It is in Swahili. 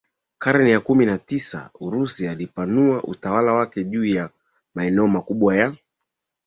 karne ya kumi na tisa Urusi ulipanua utawala wake juu ya maneo makubwa ya